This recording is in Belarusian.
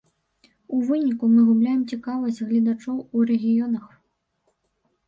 У выніку мы губляем цікавасць гледачоў у рэгіёнах.